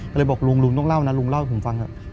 ก็เลยบอกลุงลุงต้องเล่านะลุงเล่าให้ผมฟังเถอะ